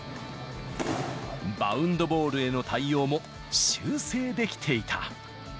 バウンドボールへの対応も修正できていた。